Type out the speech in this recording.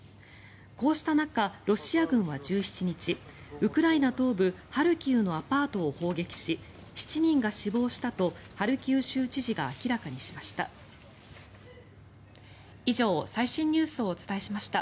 こうした中、ロシア軍は１７日ウクライナ東部ハルキウのアパートを砲撃し７人が死亡したとハルキウ州知事が明らかにしました。